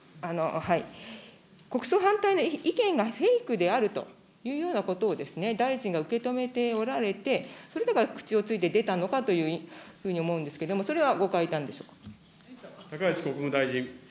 国葬反対の意見がフェイクであるというようなことを大臣が受け止めておられて、それだから口をついて出たのかというふうに思うんですけれども、高市国務大臣。